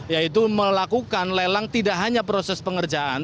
yaitu melakukan lelang tidak hanya proses pengerjaan